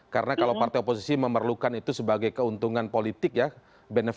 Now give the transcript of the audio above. karena kalau partai oposisi memerlukan itu sebagai keuntungan politik ya